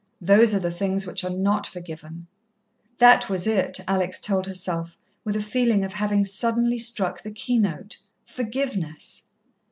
Those are the things which are not forgiven. That was it, Alex told herself, with a feeling of having suddenly struck the keynote. Forgiveness.